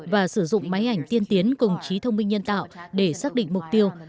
và sử dụng máy ảnh tiên tiến cùng trí thông minh nhân tạo để xác định mục tiêu